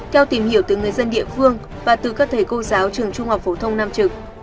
theo tìm hiểu từ người dân địa phương và từ các thầy cô giáo trường trung học phổ thông nam trực